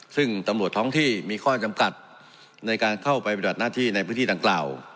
ซึ่งตำรวจท้องที่มีข้อจำกัดในการเข้าไปปฏิบัติหน้าที่ในพื้นที่ดังกล่าว